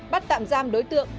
bắt tạm giam đối tượng